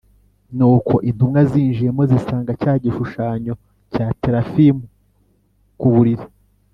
Nuko intumwa zinjiyemo zisanga cya gishushanyo cya terafimu ku buriri